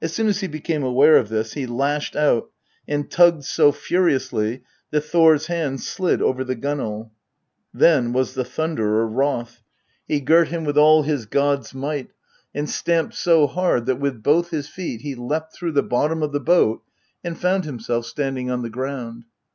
As soon as he became aware of this, he lashed out and tugged so furiously that Thor's hands slid over the gunwale. Then was the Thunderer wroth. He girt him E E xxxiv THE POETIC EDDA. with all his pod's might, and stamped so hard that with both his feet he leapt through the bottom of the boat, and found himself standing on the ground.